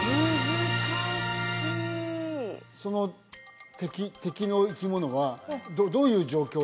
その敵敵の生き物はどういう状況？